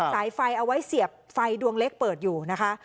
สายไฟเอาไว้เสียบไฟดวงเล็กเปิดอยู่นะคะ